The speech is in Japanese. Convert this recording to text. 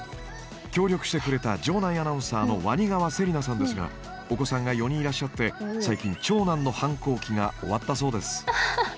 協力してくれた場内アナウンサーの鰐川せりなさんですがお子さんが４人いらっしゃって最近長男の反抗期が終わったそうです。